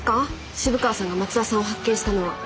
渋川さんが松田さんを発見したのは。